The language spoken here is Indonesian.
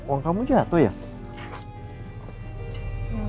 aku gak pernah kekurangan makanan